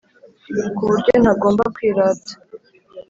kuburyo ntagomba kwirata